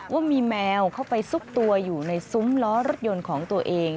ว่ามีแมวเข้าไปซุกตัวอยู่ในซุ้มล้อรถยนต์ของตัวเอง